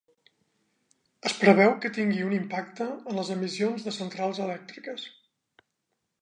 Es preveu que tingui un impacte en les emissions de centrals elèctriques.